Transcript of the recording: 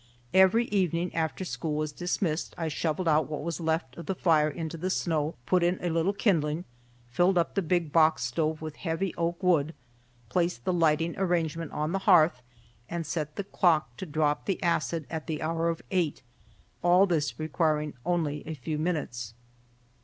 Every evening after school was dismissed, I shoveled out what was left of the fire into the snow, put in a little kindling, filled up the big box stove with heavy oak wood, placed the lighting arrangement on the hearth, and set the clock to drop the acid at the hour of eight; all this requiring only a few minutes.